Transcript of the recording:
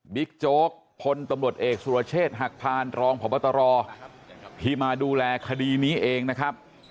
โจ๊กพลตำรวจเอกสุรเชษฐ์หักพานรองพบตรที่มาดูแลคดีนี้เองนะครับ